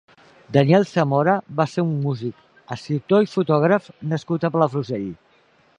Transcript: Daniel Zamora va ser un músic, escriptor i fotògraf nascut a Palafrugell.